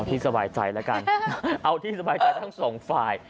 ที่สบายใจแล้วกันเอาที่สบายใจทั้งสองฝ่าย